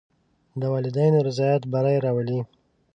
د والدینو رضایت بری راولي.